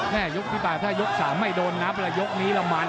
แม่ยกที่ปลายถ้ายก๓ไม่โดนนับแต่ยกนี้ละมัน